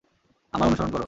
আমায় অনুসরণ করো।